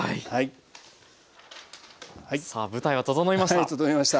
さあ舞台は整いました。